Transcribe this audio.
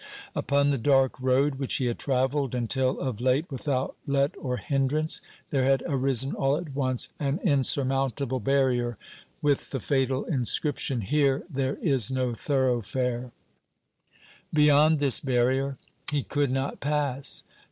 Upon the dark road which he had travelled until of late without let or hindrance, there had arisen, all at once, an insurmountable barrier, with the fatal inscription, Here there is no Thoroughfare. Beyond this barrier he could not pass.